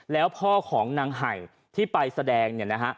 แล้วพ่อของนางไห่ที่ไปแสดงเนี่ยนะฮะ